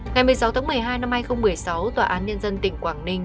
ngày một mươi sáu một mươi hai hai nghìn một mươi sáu tòa án nhân dân tỉnh quảng ninh